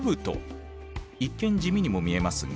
一見地味にも見えますが。